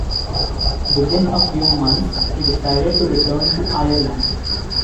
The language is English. Within a few months he decided to return to Ireland.